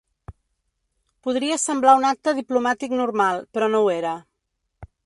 Podria semblar un acte diplomàtic normal, però no ho era.